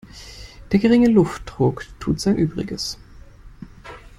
Der geringe Luftdruck tut sein Übriges.